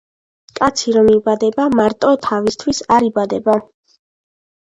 კაცი რომ იბადება, მარტო თავისთვის არ იბადება